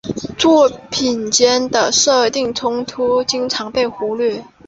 作品间的设定冲突经常被忽略。